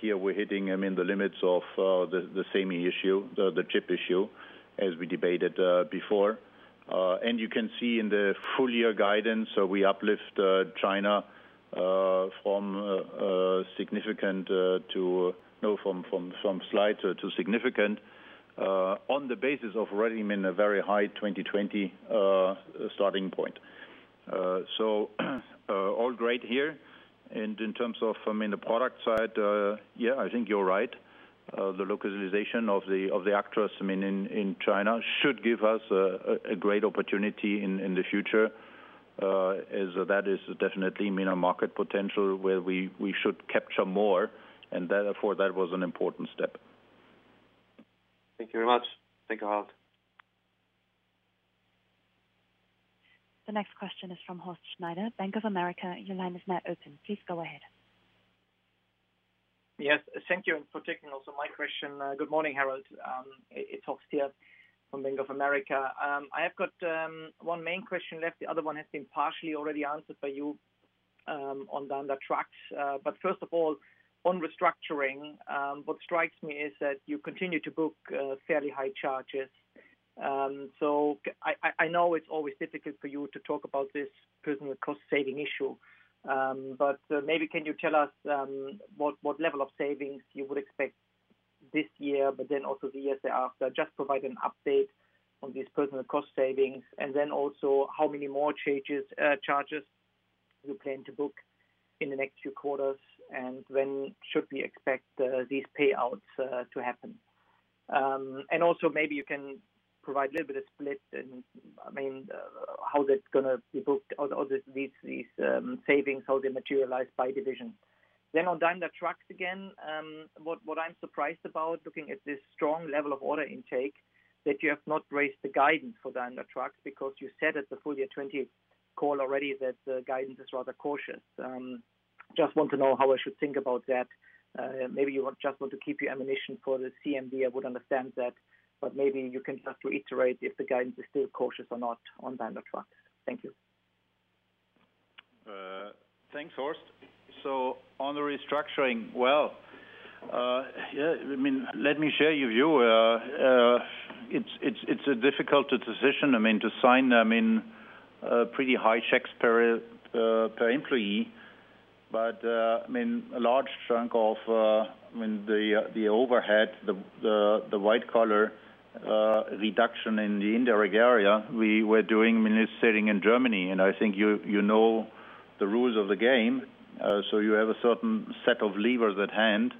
Here we are hitting the limits of the same issue, the chip issue, as we debated before. You can see in the full-year guidance, we uplift China from slight to significant, on the basis of already in a very high 2020 starting point. All great here. In terms of the product side, yeah, I think you are right. The localization of the Actros in China should give us a great opportunity in the future, as that is definitely a market potential where we should capture more, and therefore, that was an important step. Thank you very much. Thank you, Harald. The next question is from Horst Schneider, Bank of America. Your line is now open. Please go ahead. Yes. Thank you, and for taking also my question. Good morning, Harald. It's Horst here from Bank of America. I have got one main question left. The other one has been partially already answered by you on Daimler Trucks. First of all, on restructuring, what strikes me is that you continue to book fairly high charges. I know it's always difficult for you to talk about this personnel cost-saving issue. Maybe can you tell us what level of savings you would expect this year, but then also the years thereafter? Just provide an update on these personnel cost savings, and then also, how many more charges you plan to book in the next few quarters, and when should we expect these payouts to happen? Also, maybe you can provide a little bit of split and how that's going to be booked, all these savings, how they materialize by division. On Daimler Truck again, what I'm surprised about, looking at this strong level of order intake, that you have not raised the guidance for Daimler Truck because you said at the full-year 2020 call already that the guidance is rather cautious. Just want to know how I should think about that. Maybe you just want to keep your ammunition for the CMD, I would understand that, but maybe you can just reiterate if the guidance is still cautious or not on Daimler Truck. Thank you. Thanks, Horst. On the restructuring, well, let me share your view. It's a difficult decision to sign pretty high checks per employee. A large chunk of the overhead, the white collar reduction in the indirect area, we were doing ministering in Germany, and I think you know the rules of the game. You have a certain set of levers at hand.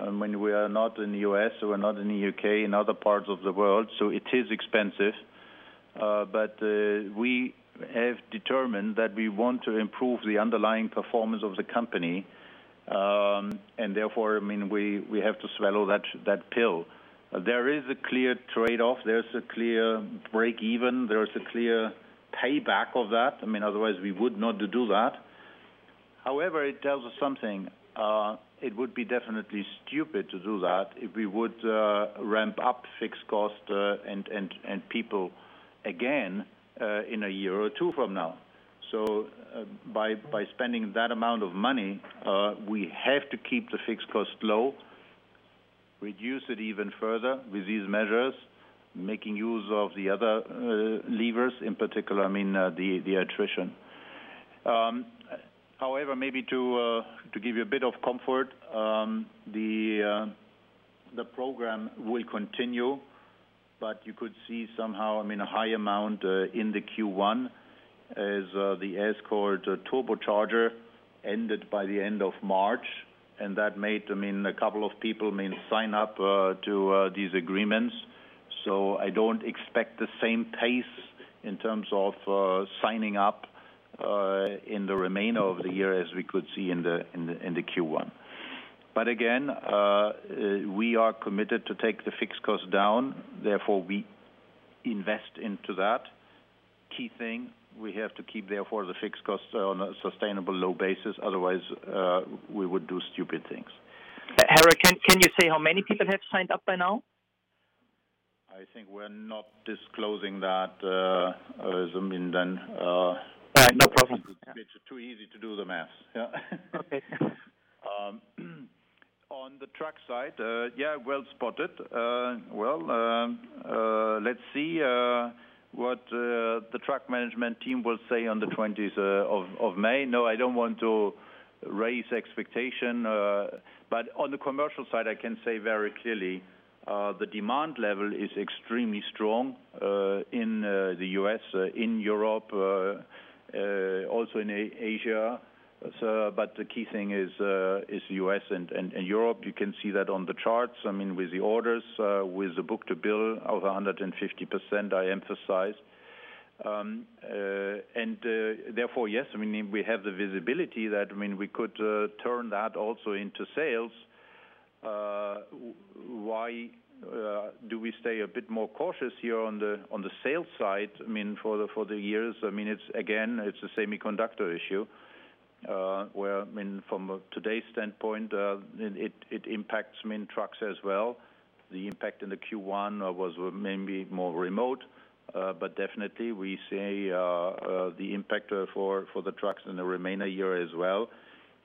When we are not in the U.S., we are not in the U.K. and other parts of the world. It is expensive. We have determined that we want to improve the underlying performance of the company. Therefore, we have to swallow that pill. There is a clear trade-off. There's a clear break even. There is a clear payback of that. Otherwise, we would not do that. However, it tells us something. It would be definitely stupid to do that if we would ramp up fixed costs and people again, in a year or two from now. By spending that amount of money, we have to keep the fixed costs low, reduce it even further with these measures, making use of the other levers, in particular, the attrition. However, maybe to give you a bit of comfort, the program will continue, but you could see somehow a high amount in the Q1 as the S-Class turbocharger ended by the end of March, and that made a couple of people sign up to these agreements. I don't expect the same pace in terms of signing up in the remainder of the year as we could see in the Q1. Again, we are committed to take the fixed costs down, therefore we invest into that. Key thing, we have to keep, therefore, the fixed cost on a sustainable low basis. Otherwise, we would do stupid things. Harald, can you say how many people have signed up by now? I think we're not disclosing that. All right. No problem. It's too easy to do the math. Yeah. Okay. On the Truck side, yeah, well spotted. Let's see what the truck management team will say on the 20th of May. No, I don't want to raise expectation. On the commercial side, I can say very clearly, the demand level is extremely strong in the U.S., in Europe, also in Asia. The key thing is U.S. and Europe. You can see that on the charts, with the orders, with the book-to-bill of 150%, I emphasize. Therefore, yes, we have the visibility that we could turn that also into sales. Why do we stay a bit more cautious here on the sales side for the years? Again, it's a semiconductor issue, where from today's standpoint, it impacts trucks as well. The impact in the Q1 was maybe more remote. Definitely, we see the impact for the trucks in the remainder year as well.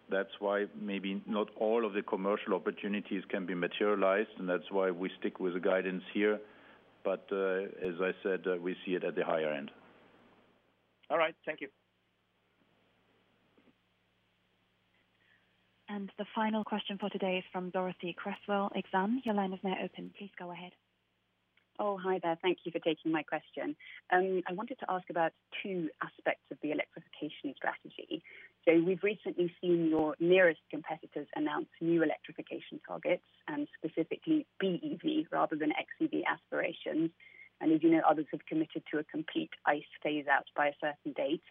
That's why maybe not all of the commercial opportunities can be materialized, and that's why we stick with the guidance here. As I said, we see it at the higher end. All right. Thank you. The final question for today is from Dorothee Cresswell, Exane. Your line is now open. Please go ahead. Hi there. Thank you for taking my question. I wanted to ask about two aspects of the electrification strategy. We've recently seen your nearest competitors announce new electrification targets, and specifically BEV, rather than xEV aspirations. As you know, others have committed to a complete ICE phase-out by a certain date.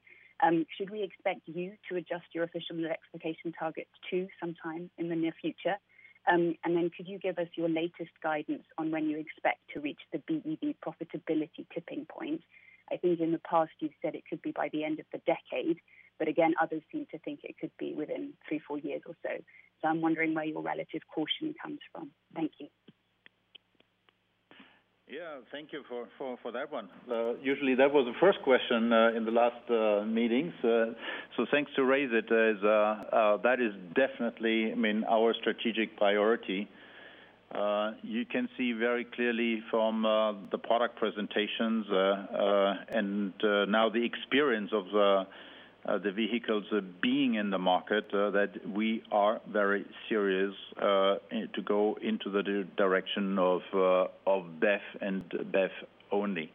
Should we expect you to adjust your official electrification targets, too, sometime in the near future? Could you give us your latest guidance on when you expect to reach the BEV profitability tipping point? I think in the past you've said it could be by the end of the decade, again, others seem to think it could be within three, four years or so. I'm wondering where your relative caution comes from. Thank you. Yeah. Thank you for that one. Usually that was the first question in the last meetings. Thanks to raise it, as that is definitely our strategic priority. You can see very clearly from the product presentations, and now the experience of the vehicles being in the market, that we are very serious to go into the direction of BEV and BEV only.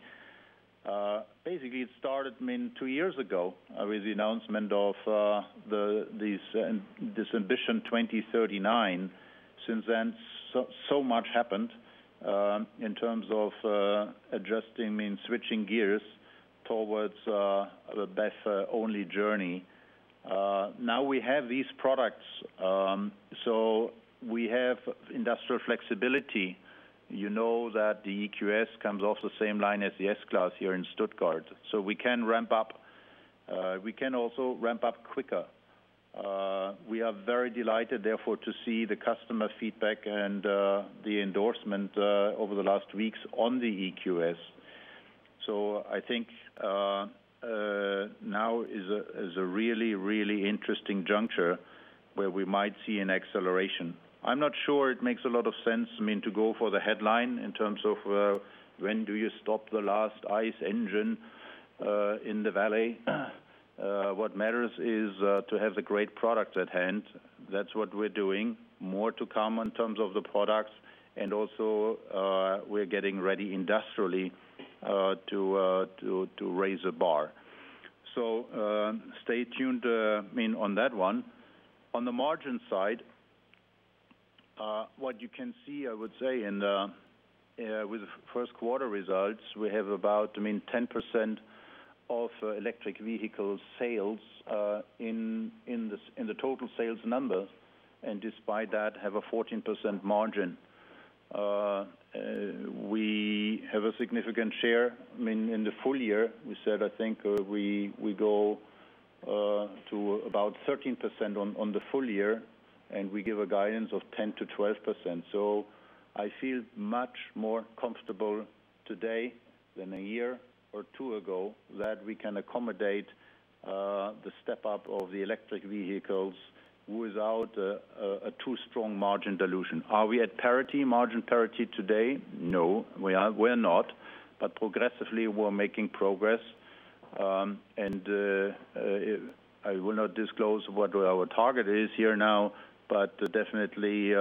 Basically, it started two years ago with the announcement of this Ambition 2039. Since then, so much happened in terms of adjusting, switching gears towards a BEV-only journey. Now we have these products. We have industrial flexibility. You know that the EQS comes off the same line as the S-Class here in Stuttgart, so we can ramp up. We can also ramp up quicker. We are very delighted, therefore, to see the customer feedback and the endorsement over the last weeks on the EQS. I think now is a really interesting juncture where we might see an acceleration. I'm not sure it makes a lot of sense to go for the headline in terms of when do you stop the last ICE engine in the valley. What matters is to have the great product at hand. That's what we're doing. More to come in terms of the products, and also, we're getting ready industrially to raise the bar. Stay tuned on that one. On the margin side, what you can see, I would say, with first quarter results, we have about 10% of electric vehicle sales in the total sales number, and despite that, have a 14% margin. We have a significant share in the full year. We said, I think, we go to about 13% on the full year, and we give a guidance of 10% to 12%. I feel much more comfortable today than a year or two ago that we can accommodate the step-up of the electric vehicles without a too strong margin dilution. Are we at parity, margin parity today? No, we're not, but progressively, we're making progress. I will not disclose what our target is here now, but definitely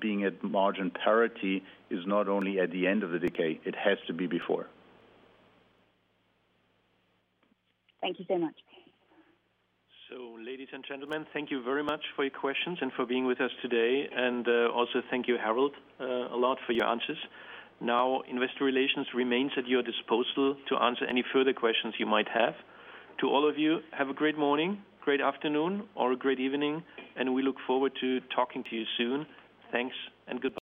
being at margin parity is not only at the end of the decade, it has to be before. Thank you so much. Ladies and gentlemen, thank you very much for your questions and for being with us today. Thank you, Harald, a lot for your answers. Investor Relations remains at your disposal to answer any further questions you might have. To all of you, have a great morning, great afternoon, or a great evening, and we look forward to talking to you soon. Thanks and goodbye.